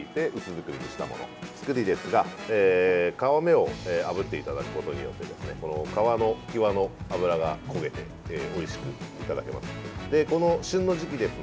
造りですが、皮目をあぶっていただくことによって皮の際の脂が焦げておいしくいただけます。